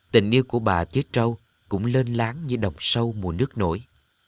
tình yêu của bà tuyết trâu cũng lên láng như đồng sâu mùa nước nổi